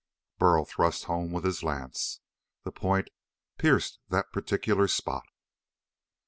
Burl thrust home with his lance. The point pierced that particular spot.